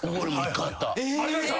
ありました？